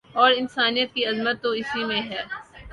اور انسانیت کی عظمت تو اسی میں ہے